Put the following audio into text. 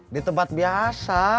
di tempat biasa